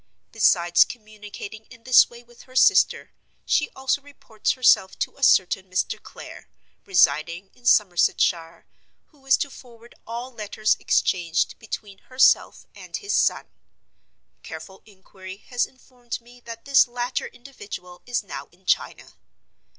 Besides communicating in this way with her sister, she also reports herself to a certain Mr. Clare, residing in Somersetshire, who is to forward all letters exchanged between herself and his son. Careful inquiry has informed me that this latter individual is now in China.